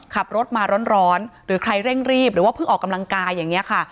ขับรถมาร้อนหรือใครเร่งรีบหรือว่าเพิ่งออกกำลังกายอย่างนี้ค่ะ